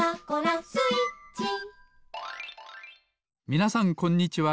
みなさんこんにちは。